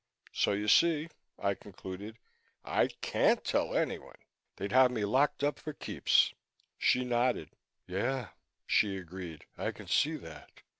"So you see," I concluded, "I can't tell anyone. They'd have me locked up for keeps." She nodded. "Yeah," she agreed. "I can see that....